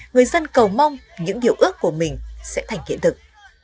người dân cầu mong những điều ước của mình sẽ thành hiện thực